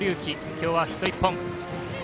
今日はヒット１本。